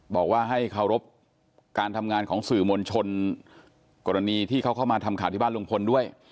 บอกว่าให้เคารพการทำงานของสื่อมวลชนกรณีที่เขาเข้ามาทำข่าวที่บ้านลุงพลด้วย